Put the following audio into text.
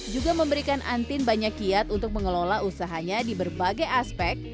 juga memberikan antin banyak kiat untuk mengelola usahanya di berbagai aspek